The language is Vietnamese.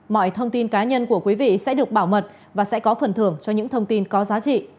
mọi thông tin cá nhân của quý vị sẽ được bảo mật và sẽ có phần thưởng cho những thông tin có giá trị